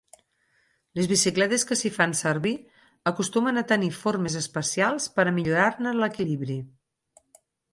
Les bicicletes que s'hi fan servir acostumen a tenir formes especials per a millorar-ne l'equilibri.